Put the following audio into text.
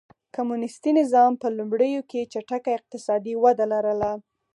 کمونېستي نظام په لومړیو کې چټکه اقتصادي وده لرله.